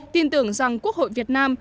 tin tưởng rằng quốc hội việt nam